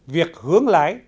việc hướng lái